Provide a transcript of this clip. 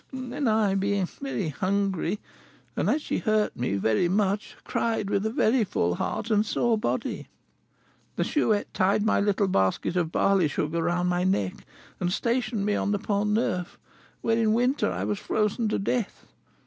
Then I, being very hungry, and as she hurt me very much, cried with a very full heart and sore body. The Chouette tied my little basket of barley sugar round my neck, and stationed me on the Pont Neuf, where, in winter, I was frozen to death.